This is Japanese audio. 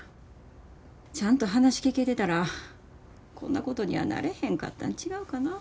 ちゃんと話聞けてたらこんなことにはなれへんかったん違うかなぁ。